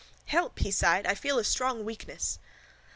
—Help! he sighed. I feel a strong weakness.